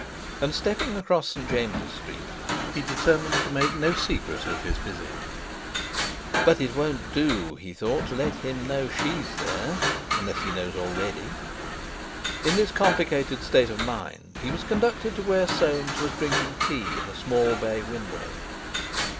And stepping across St. James's Street, he determined to make no secret of his visit. "But it won't do," he thought, "to let him know she's there, unless he knows already." In this complicated state of mind he was conducted to where Soames was drinking tea in a small bay window.